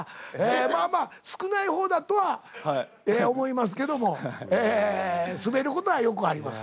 まあまあ少ない方だとは思いますけどもスベることはよくあります。